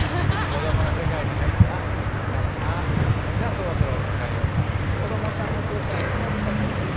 子どもの世界に入ってあ疲れたみたいなじゃそろそろおむつ替えようか。